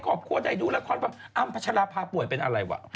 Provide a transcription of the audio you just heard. ขอบคุณว่าใดดูละครอ้ำพระชะลาภาป่วยเป็นอะไรวะ